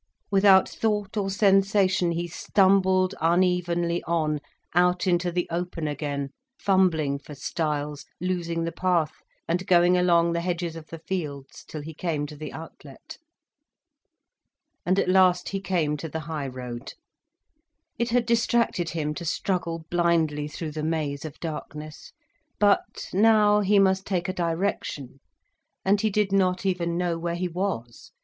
Without thought or sensation, he stumbled unevenly on, out into the open again, fumbling for stiles, losing the path, and going along the hedges of the fields till he came to the outlet. And at last he came to the high road. It had distracted him to struggle blindly through the maze of darkness. But now, he must take a direction. And he did not even know where he was.